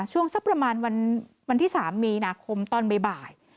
สักประมาณวันที่๓มีนาคมตอนบ่าย